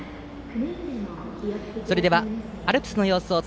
それではアルプスの様子です。